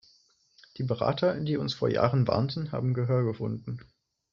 Die Berater, die uns vor Jahren warnten, haben Gehör gefunden.